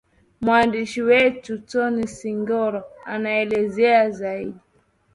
mwandishi wetu tony singoro anaelezea zaidi